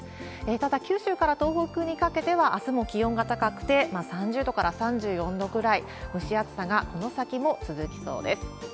ただ、九州から東北にかけては、あすも気温が高くて、３０度から３４度くらい、蒸し暑さがこの先も続きそうです。